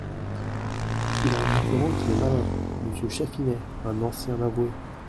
Il a un concurrent qui est malin, Monsieur Chatfinet, un ancien avoué…